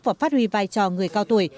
và phát huy vai trò người cao tuổi